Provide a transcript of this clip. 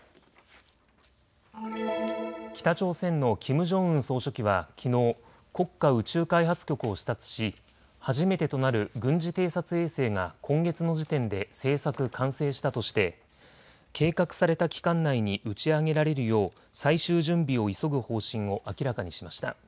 北朝鮮のキム・ジョンウン総書記はきのう国家宇宙開発局を視察し初めてとなる軍事偵察衛星が今月の時点で製作・完成したとして計画された期間内に打ち上げられるよう最終準備を急ぐ方針を明らかにしました。